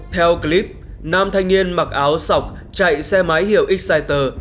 theo clip nam thanh niên mặc áo sọc chạy xe máy hiệu exciter